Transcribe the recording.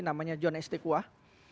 namanya john s t kuah